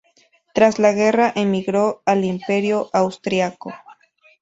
Tras la guerra emigró al imperio austríaco